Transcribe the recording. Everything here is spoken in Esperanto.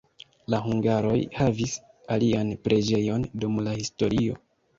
La hungaroj havis alian preĝejon dum la historio.